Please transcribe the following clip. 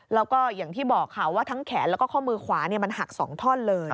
แล้วก็อย่างที่บอกค่ะว่าทั้งแขนแล้วก็ข้อมือขวามันหัก๒ท่อนเลย